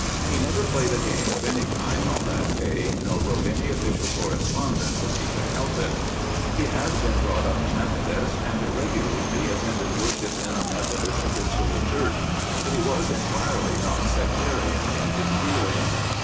He never played a game of any kind on that day, nor wrote any official corre spondence if he could help it. He had been brought up a Methodist, and regularly attended worship in the Methodist Episcopal Church, but he was entirely non sectarian in his feelings.